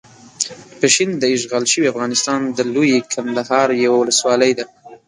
پشین داشغال شوي افغانستان د لويې کندهار یوه ولسوالۍ ده.